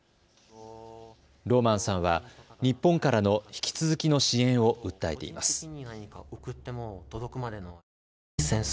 ローマンさんは日本からの引き続きの支援を訴えています。